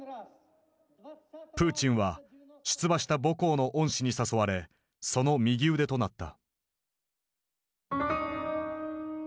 プーチンは出馬した母校の恩師に誘われその右腕となった。